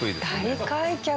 大開脚。